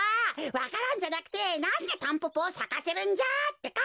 わか蘭じゃなくてなんでタンポポをさかせるんじゃってか。